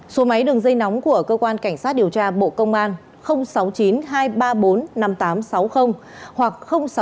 số máy đường dây nóng của cơ quan cảnh sát điều tra bộ công an sáu mươi chín hai trăm ba mươi bốn năm nghìn tám trăm sáu mươi hoặc sáu mươi chín hai trăm ba mươi hai một nghìn sáu trăm sáu mươi